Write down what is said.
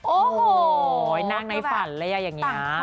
โอ้โหนั่งในฝันเลยอย่างนี้